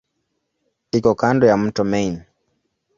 Iko kando ya mto Main.